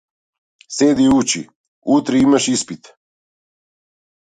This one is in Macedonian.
Седни учи, утре имаш испит.